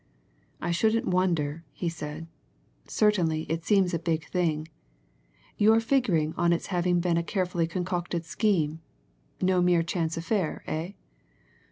"I shouldn't wonder," he said. "Certainly, it seems a big thing. You're figuring on its having been a carefully concocted scheme? No mere chance affair, eh?"